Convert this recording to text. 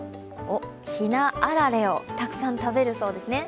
ひなあられをたくさん食べるそうですね。